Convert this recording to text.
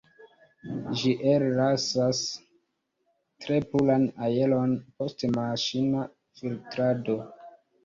Ĝi ellasas tre puran aeron, post maŝina filtrado.